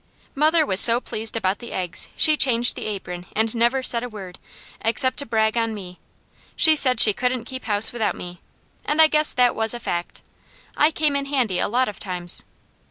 Mother was so pleased about the eggs she changed the apron and never said a word, except to brag on me. She said she couldn't keep house without me, and I guess that was a fact. I came in handy a lot of times.